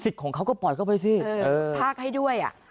สุดท้ายเค้าดีกันแล้ว